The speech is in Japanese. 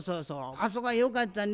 あそこはよかったね。